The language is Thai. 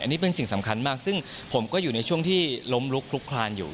อันนี้เป็นสิ่งสำคัญมากซึ่งผมก็อยู่ในช่วงที่ล้มลุกลุกคลานอยู่